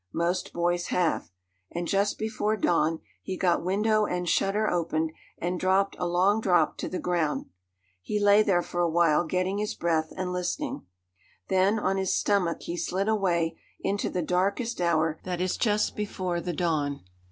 Most boys have. And just before dawn he got window and shutter opened, and dropped, a long drop, to the ground. He lay there for a while, getting his breath and listening. Then, on his stomach, he slid away into the darkest hour that is just before the dawn.